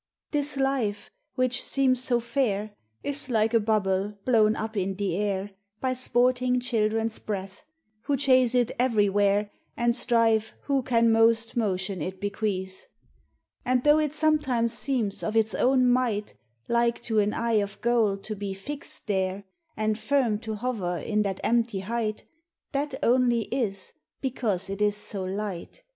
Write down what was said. This Life, which seems so fair, Is like a bubble blown up in the air By sporting children's breath, Who chase it everywhere And strive who can most motion it bequeath. And though it sometimes seem of its own might Like to an eye of gold to be fixed there, And firm to hover in that empty height, That only is because it is so light.